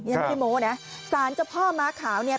ฉันขี้โม้นะสารเจ้าพ่อม้าขาวเนี่ย